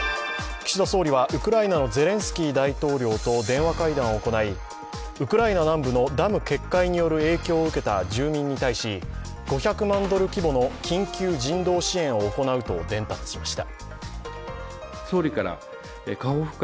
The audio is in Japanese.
岸田総理はウクライナのゼレンスキー大統領と電話会談を行いウクライナ南部のダム決壊による影響を受けた住民に対し、５００万ドル規模の緊急人道支援を行うと伝達しました。